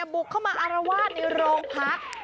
บุกเข้ามาอารวาสในโรงพัก